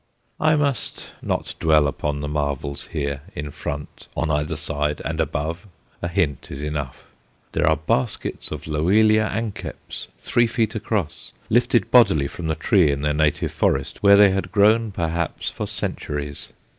I must not dwell upon the marvels here, in front, on either side, and above a hint is enough. There are baskets of Loelia anceps three feet across, lifted bodily from the tree in their native forest where they had grown perhaps for centuries.